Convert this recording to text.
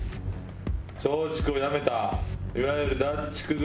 松竹をやめたいわゆる脱竹組。